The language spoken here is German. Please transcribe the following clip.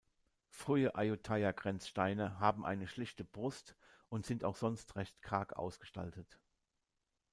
Frühe Ayutthaya-Grenzsteine haben eine schlichte „Brust“ und sind auch sonst recht karg ausgestaltet.